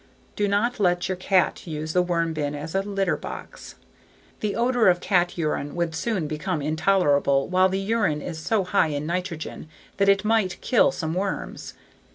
Do not let your cat use the worm bin as a litter box.. The odor of cat urine would soon become intolerable while the urine is so high in nitrogen that it might kill some worms.